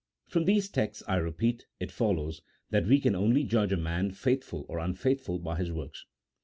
From these texts, I repeat, it follows that we can only judge a man faithful or unfaithful by his works.